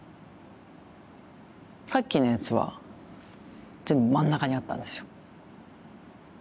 さっきのやつは全部真ん中にあったんですよ。